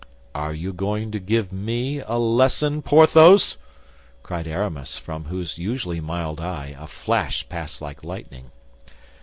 "Are you going to give me a lesson, Porthos?" cried Aramis, from whose usually mild eye a flash passed like lightning.